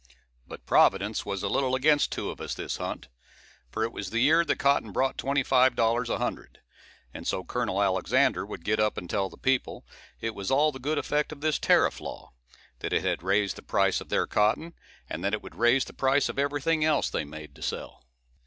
But Providence was a little against two of us this hunt, for it was the year that cotton brought twenty five dollars a hundred; and so Colonel Alexander would get up and tell the people, it was all the good effect of this tariff law; that it had raised the price of their cotton, and that it would raise the price of every thing else they made to sell.